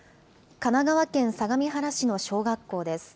神奈川県相模原市の小学校です。